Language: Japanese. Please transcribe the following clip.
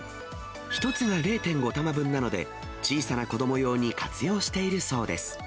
１つが０．５玉分なので、小さな子ども用に活用しているそうです。